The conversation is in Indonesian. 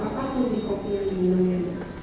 apapun di kopi yang diminum mirna